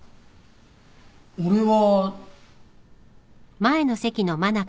俺は。